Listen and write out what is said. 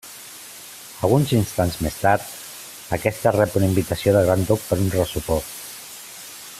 Alguns instants més tard, aquesta rep una invitació del Gran Duc per a un ressopó.